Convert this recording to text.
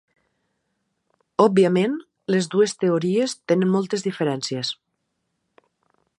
Òbviament, les dues teories tenen moltes diferències.